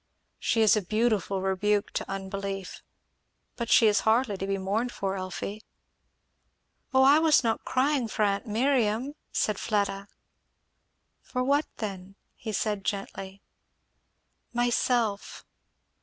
"She is a beautiful rebuke to unbelief. But she is hardly to be mourned for, Elfie." "Oh I was not crying for aunt Miriam," said Fleda. "For what then?" he said gently. "Myself."